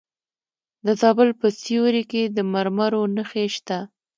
د زابل په سیوري کې د مرمرو نښې شته.